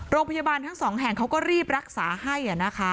โรงพยาบาลทั้งสองแห่งเขาก็รีบรักษาให้